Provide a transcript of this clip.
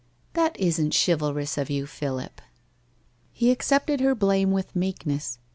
' That isn't chivalrous of you, Philip.' He accepted, her blame with meekness.